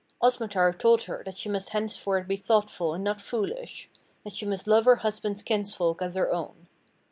Osmotar told her that she must henceforth be thoughtful and not foolish, that she must love her husband's kinsfolks as her own.